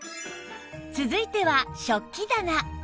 続いては食器棚